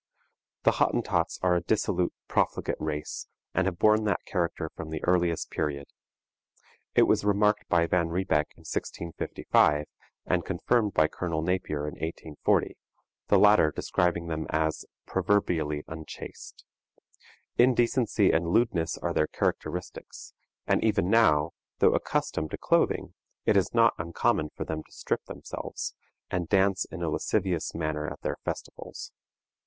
The Hottentots are a dissolute, profligate race, and have borne that character from the earliest period. It was remarked by Van Riebeck in 1655, and confirmed by Colonel Napier in 1840, the latter describing them as "proverbially unchaste." Indecency and lewdness are their characteristics; and even now, though accustomed to clothing, it is not uncommon for them to strip themselves, and dance in a lascivious manner at their festivals.